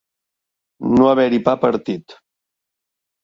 No haver-hi pa partit.